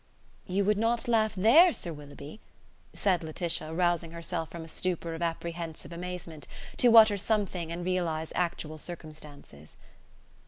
"You would not laugh there, Sir Willoughby?" said Laetitia, rousing herself from a stupor of apprehensive amazement, to utter something and realize actual circumstances.